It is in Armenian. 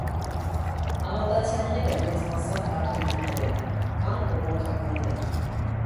Հավատացյալները մեծ մասամբ կաթոլիկներ են, կան բողոքականներ։